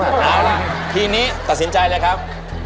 เอาล่ะทีนี้ตัดสินใจเลยครับ